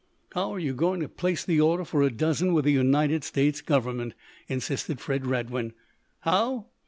"How are you going to place the order for a dozen with the United States government?" insisted Fred Radwin. "How?